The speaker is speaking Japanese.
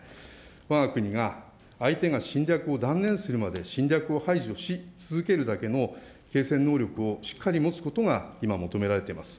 わが国が相手が侵略を断念するまで侵略を排除し続けるだけの継戦能力をしっかり持つことが今求められています。